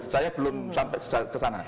saya belum sampai kesana